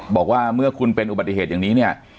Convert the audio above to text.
บอกว่าเมื่อคุณเป็นอุบัติเหตุอย่างนี้เนี่ย